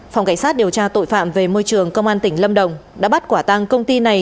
phòng cảnh sát điều tra tội phạm về môi trường công an tỉnh lâm đồng đã bắt quả tăng công ty này